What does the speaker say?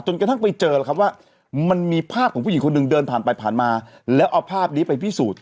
กระทั่งไปเจอแล้วครับว่ามันมีภาพของผู้หญิงคนหนึ่งเดินผ่านไปผ่านมาแล้วเอาภาพนี้ไปพิสูจน์